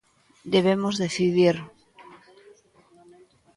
Debemos decidir!